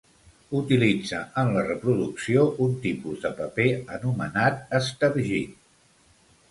Utilitza en la reproducció un tipus de paper anomenat estergit.